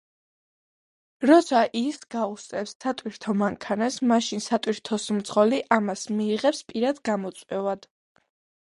როცა ის გაუსწრებს სატვირთო მანქანას, მაშინ სატვირთოს მძღოლი ამას მიიღებს პირად გამოწვევად.